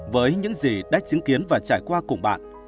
với những gì đã chứng kiến và trải qua cùng bạn